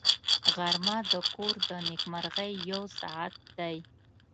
غرمه د کور د نېکمرغۍ یو ساعت دی